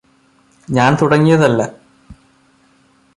ഞാന് തുടങ്ങിയതല്ല